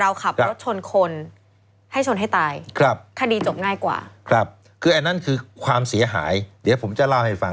อันนี้เคยได้ยินคนเขาพูดกันมาว่า